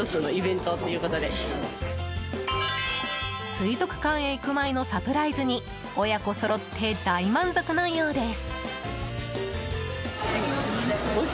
水族館へ行く前のサプライズに親子そろって大満足のようです。